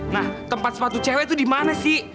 nah tempat sepatu cewek tuh dimana sih